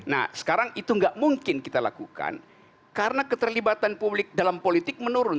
nah sekarang itu nggak mungkin kita lakukan karena keterlibatan publik dalam politik menurun